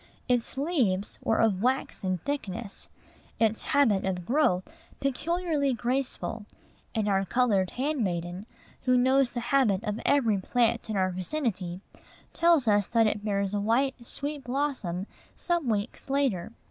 Its leaves were of waxen thickness, its habit of growth peculiarly graceful; and our colored handmaiden, who knows the habits of every plant in our vicinity, tells us that it bears a white, sweet blossom, some weeks later.